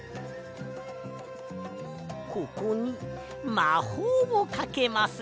ここにまほうをかけます。